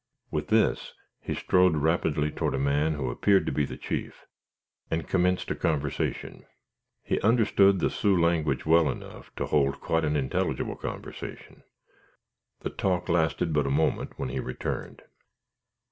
With this he strode rapidly toward a man who appeared to be the chief, and commenced a conversation. He understood the Sioux tongue well enough to hold quite an intelligible conversation. The talk lasted but a moment, when he returned.